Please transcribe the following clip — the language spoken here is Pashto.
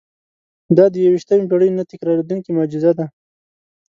دا د یوویشتمې پېړۍ نه تکرارېدونکې معجزه ده.